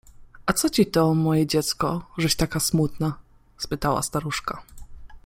— A co ci to, moje dziecko, żeś taka smutna? — spytała staruszka.